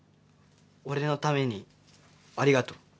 俺のためにありがとう。